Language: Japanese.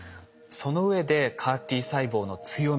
そのうえでＣＡＲ−Ｔ細胞の強み